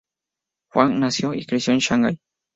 Huang nació y creció en Shanghai.